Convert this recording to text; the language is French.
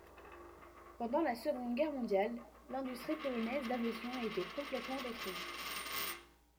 Pendant la Seconde Guerre mondiale, l'industrie polonaise d'aviation a été complètement détruite.